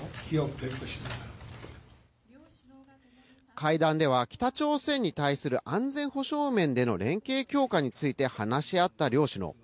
会談では、北朝鮮に対する安全保障面での連携強化について話し合った両首脳。